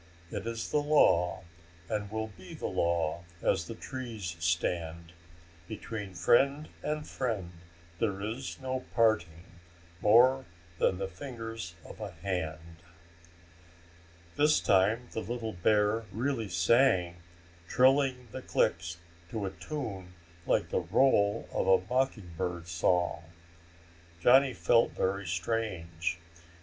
It is the law, And will be the law as the trees stand. Between friend and friend there is no parting More than the fingers of a hand." This time the little bear really sang, trilling the clicks to a tune like the roll of a mockingbird's song. Johnny felt very strange.